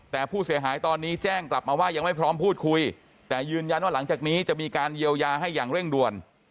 แต่ผู้เสียหายตอนนี้แจ้งกลับมาว่ายังไม่พร้อมพูดคุยแต่ยืนยันว่าหลังจากนี้จะมีการเยียวยาให้อย่างเร่งด่วน